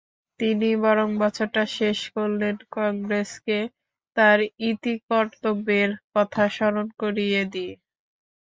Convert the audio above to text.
তিনি বরং বছরটা শেষ করলেন কংগ্রেসকে তার ইতিকর্তব্যের কথা স্মরণ করিয়ে দিয়ে।